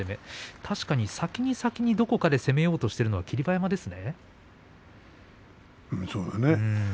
確かに先に先に攻めようとしているのが霧馬山ですね。